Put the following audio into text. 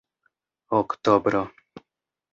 oktobro